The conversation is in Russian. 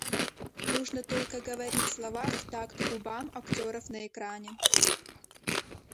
Нужно только говорить слова в такт губам актеров на экране.